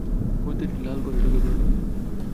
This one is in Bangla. মূর্তিটি লাল ঘরে ঢুকে পড়ল।